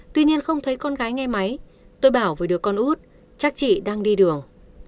tuy nhiên không thấy con gái nghe máy tôi bảo với đứa con út chắc chị đang đi đường